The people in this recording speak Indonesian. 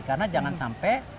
karena jangan sampai